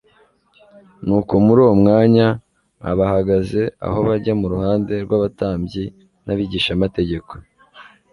Nuko muri uwo mwanya abahagaze aho bajya mu ruhande rw'abatambyi n'abigishamategeko,